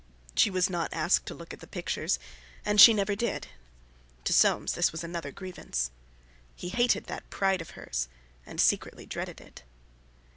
She was not asked to look at the pictures, and she never did. To Soames this was another grievance. He hated that pride of hers, and secretly dreaded it.